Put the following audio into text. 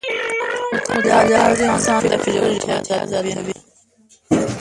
مطالعه د انسان د فکر ژورتیا زیاتوي